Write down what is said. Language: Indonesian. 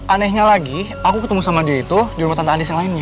anehnya lagi aku ketemu sama dia itu di rumah tante yang lainnya